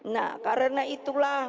nah karena itulah